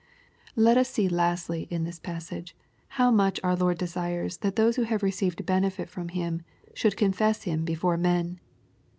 Let us see, lastly, in this passage, how much our Lord desires that those who have received benefit from Him should confess Him before men.